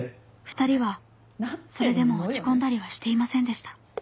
２人はそれでも落ち込んだりはしていませんでした